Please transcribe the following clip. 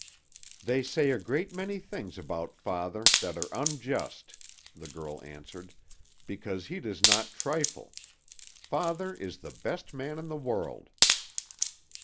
"They say a great many things about father that are unjust," the girl answered, "because he does not trifle. Father is the best man in the world."